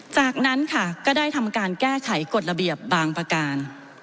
จากนั้นค่ะก็ได้ทำการแก้ไขกฎระเบียบบางประการ